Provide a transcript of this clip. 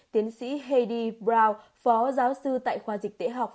tiến sĩ heidi brown phó giáo sư tại khoa dịch tế học